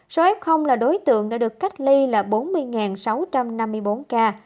số f là đối tượng đã được cách ly là bốn mươi sáu trăm năm mươi bốn ca